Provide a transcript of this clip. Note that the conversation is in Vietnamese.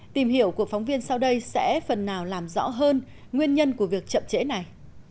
tìm hiểu của phóng viên sau đây sẽ phần nào làm rõ hơn nguyên nhân của việc chậm trễ này